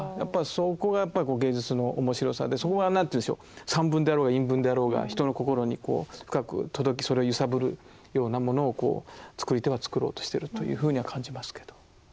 そこがやっぱり芸術の面白さでそこが何て言うんでしょう散文であろうが韻文であろうが人の心にこう深く届きそれを揺さぶるようなものを作り手は作ろうとしてるというふうには感じますけど。